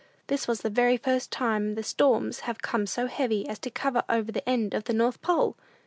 This is the very first time the storms have come so heavy as to cover over the end of the North Pole!